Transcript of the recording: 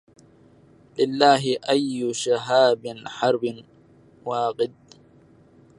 لله أي شهاب حرب واقد